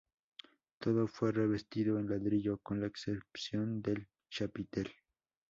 Todo fue revestido en ladrillo con la excepción del chapitel.